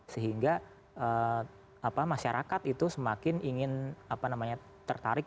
sehingga masyarakat itu semakin ingin apa namanya tarik